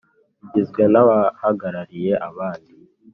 igizwe n abahagarariye abandi